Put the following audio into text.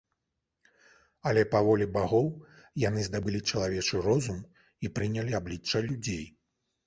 Але па волі багоў яны здабылі чалавечы розум і прынялі аблічча людзей.